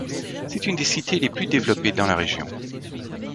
C'est une des cités les plus développées dans la région.